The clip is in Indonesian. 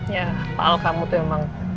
ya pak al kamu tuh emang